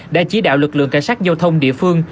đã chỉ đạo lực lượng cảnh sát giao thông địa phương